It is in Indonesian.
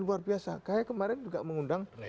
luar biasa kayak kemarin juga mengundang